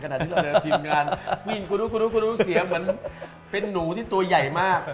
ขนาดที่เราในทีมงานผู้หญิงกูดูเสียเหมือนเป็นหนูที่ตัวใหญ่มาก